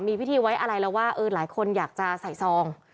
มีพิธีไว้อะไรแล้วว่าเออหลายคนอยากจะใส่ซอง